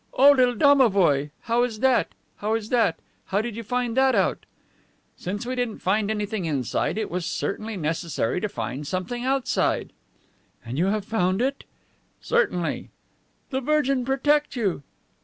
"Oh, little domovoi! How is that? How is that? How did you find that out?" "Since we didn't find anything inside, it was certainly necessary to find something outside." "And you have found it?" "Certainly." "The Virgin protect you!"